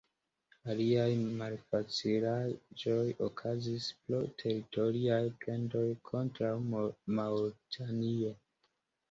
Aliaj malfacilaĵoj okazis pro teritoriaj plendoj kontraŭ Maŭritanio.